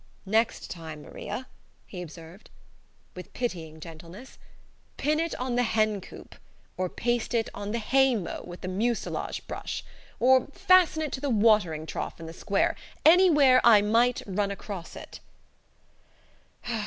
"Next time, Maria," he observed, with pitying gentleness, "pin it on the hen coop. Or, paste it on the haymow with the mucilage brush. Or, fasten it to the watering trough in the square anywhere I might run across it.